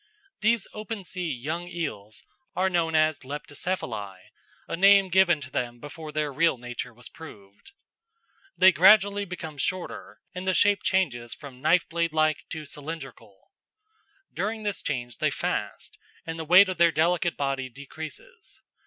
These open sea young eels are known as Leptocephali, a name given to them before their real nature was proved. They gradually become shorter, and the shape changes from knife blade like to cylindrical. During this change they fast, and the weight of their delicate body decreases.